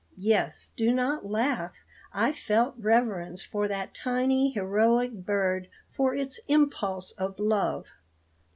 Yes; do not laugh. I felt reverence for that tiny heroic bird for its impulse of love.